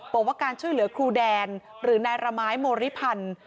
บอกว่าการช่วยเหลือครูแดนหรือนายระไม้โมริพันธ์